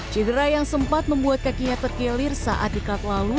cedera yang sempat membuat kakinya terkelir saat dikat lalu